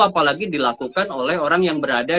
apalagi dilakukan oleh orang yang berada